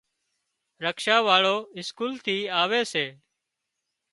رڪشا واۯو اسڪول ٿي آوي سي۔